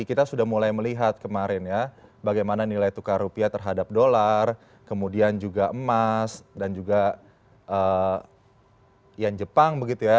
kita sudah mulai melihat kemarin ya bagaimana nilai tukar rupiah terhadap dolar kemudian juga emas dan juga yang jepang begitu ya